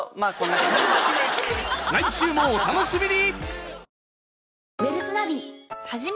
来週もお楽しみに！